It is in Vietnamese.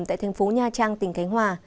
tại thành phố nha trang tỉnh cánh hòa